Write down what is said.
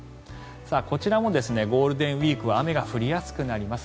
こちらもゴールデンウィークは雨が降りやすくなります。